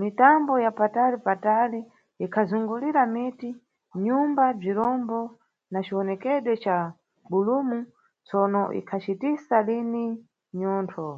Mitambo ya patali-patali ikhazungulira miti, nyumba bzirombo na ciwonekedwe ca bhulumu, tsono ikhacitisa lini mnyontho.